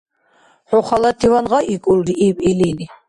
— ХӀу халативан гъайикӀулри! — иб илини.